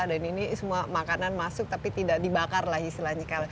dan ini semua makanan masuk tapi tidak dibakar lah istilahnya